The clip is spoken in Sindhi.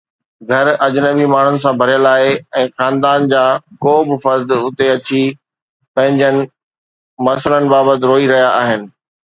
گهر اجنبي ماڻهن سان ڀريل آهي ۽ خاندان جا ڪو به فرد اتي اچي پنهنجن مسئلن بابت روئي رهيا آهن